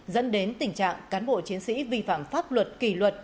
dẫn đến tình trạng cán bộ chiến sĩ vi phạm pháp luật kỳ luật